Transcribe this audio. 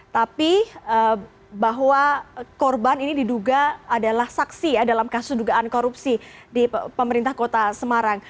tapi bahwa korban ini diduga adalah saksi ya dalam kasus dugaan korupsi di pemerintah kota semarang